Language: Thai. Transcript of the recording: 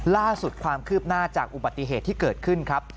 ล่าสุดความคืบหน้าจากอุบัติเหตุที่เกิดขึ้นครับ